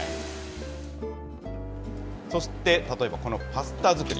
そして、例えばこのパスタ作り。